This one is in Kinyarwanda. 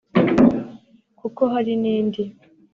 kuko hari n’indi